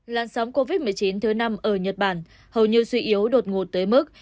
làn sóng covid một mươi chín thứ năm ở nhật bản hầu như suy yếu đột ngột tới mức